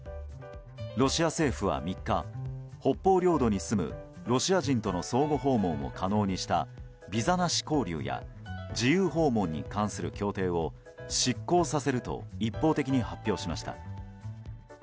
ロシア政府は３日北方領土に住むロシア人との相互訪問を可能にしたビザなし交流や自由訪問に関する協定を失効させると一方的に発表しました。